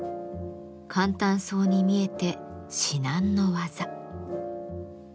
簡単そうに見えて至難の業。